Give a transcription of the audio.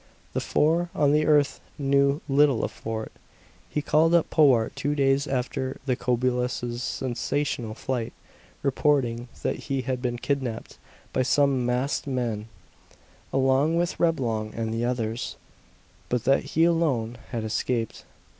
The four on the earth knew little of Fort. He called up Powart two days after the Cobulus's sensational flight, reporting that he had been kidnapped "by some masked men" along with Reblong and the others, but that he alone had escaped.